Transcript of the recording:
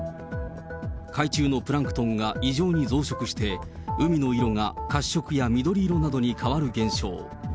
海中のプランクトンが異常に増殖して、海の色が褐色や緑色などに変わる現象。